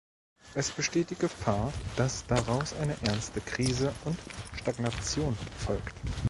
Es besteht die Gefahr, dass daraus eine ernste Krise und Stagnation folgt.